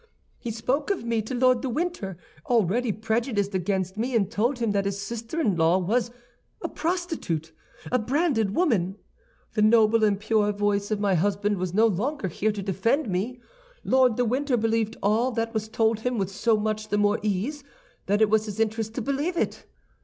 He spoke of me to Lord de Winter, already prejudiced against me, and told him that his sister in law was a prostitute, a branded woman. The noble and pure voice of my husband was no longer here to defend me. Lord de Winter believed all that was told him with so much the more ease that it was his interest to believe it.